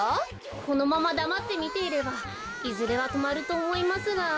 このままだまってみていればいずれはとまるとおもいますが。